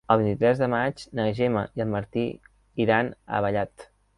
El vint-i-tres de maig na Gemma i en Martí iran a Vallat.